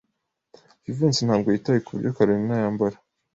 Jivency ntabwo yitaye kuburyo Kalorina yambara.